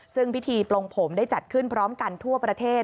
ซึ่งพิธีปลงผมได้จัดขึ้นพร้อมกันทั่วประเทศ